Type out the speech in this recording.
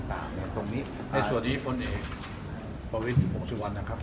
ต่างอย่างตรงนี้ส่วนนี้คนเองประวิษฐที่หกสิบวันนะครับ